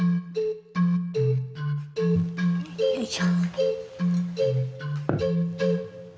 よいしょ。